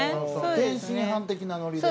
天津飯的なノリで。